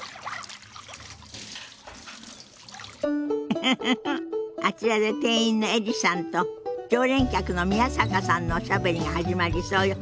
ウフフフあちらで店員のエリさんと常連客の宮坂さんのおしゃべりが始まりそうよ。